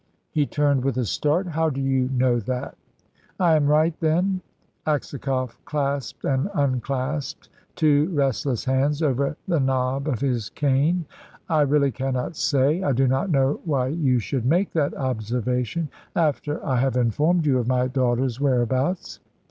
He turned with a start. "How do you know that?" "I am right, then?" Aksakoff clasped and unclasped two restless hands over the knob of his cane. "I really cannot say. I do not know why you should make that observation, after I have informed you of my daughter's whereabouts."